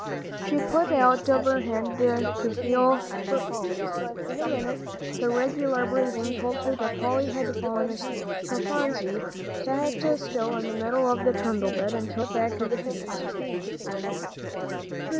She put out her little hand to feel for Polly's, but in a minute the regular breathing told her that Polly had fallen asleep. So Phronsie sat still in the middle of the trundle bed, and choked back the tears.